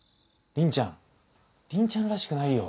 鈴ちゃん鈴ちゃんらしくないよ。